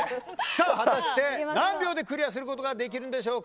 果たして何秒でクリアすることができるでしょうか。